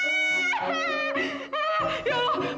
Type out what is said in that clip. kenapa ada mayat